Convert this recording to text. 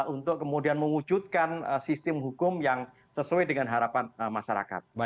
untuk kemudian mewujudkan sistem hukum yang sesuai dengan harapan masyarakat